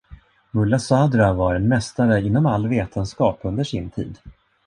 Mulla Sadra var en mästare inom all vetenskap under sin tid.